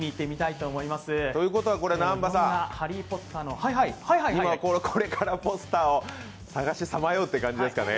ということは南波さん、これからポスターを探しさまようという感じですかね？